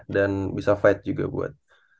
dan bisa fight juga buat